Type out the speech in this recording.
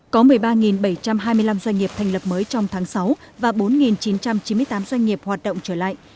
có một mươi ba bảy trăm hai mươi năm doanh nghiệp thành lập mới trong tháng sáu và bốn chín trăm chín mươi tám doanh nghiệp hoạt động trở lại